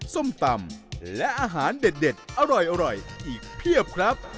ส้มตำและอาหารเด็ดอร่อยอีกเพียบครับ